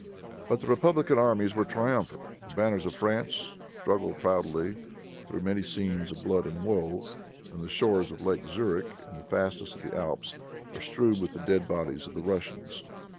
But the republican armies were triumphant. The banners of France struggled proudly through many scenes of blood and woe, and the shores of Lake Zurich and the fastnesses of the Alps, were strewed with the dead bodies of the Russians.